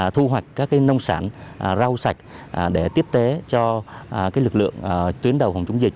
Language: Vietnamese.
thu hoạch các nông sản rau sạch để tiếp tế cho lực lượng tuyến đầu phòng chống dịch